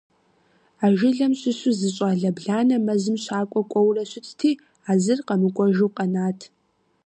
А жылэм щыщу зы щӀалэ бланэ мэзым щакӀуэ кӏуэурэ щытти, а зыр къэмыкӀуэжу къэнат.